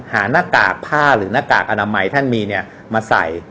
หน้ากากผ้าหรือหน้ากากอนามัยท่านมีเนี่ยมาใส่